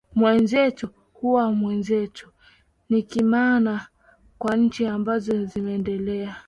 wenzetu huwa wenzetu nikimaana kwa nchi ambazo zimeendelea